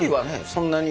そんなに。